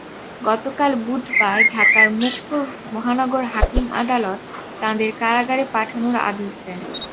গতকাল বুধবার ঢাকার মুখ্য মহানগর হাকিম আদালত তাঁদের কারাগারে পাঠানোর আদেশ দেন।